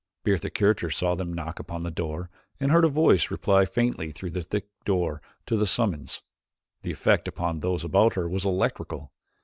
Bertha Kircher saw them knock upon the door and heard a voice reply faintly through the thick door to the summons. The effect upon those about her was electrical.